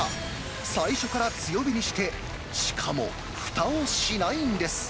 最初から強火にして、しかもふたをしないんです。